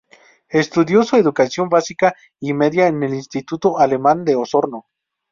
Estudió su educación básica y media en el Instituto Alemán de Osorno.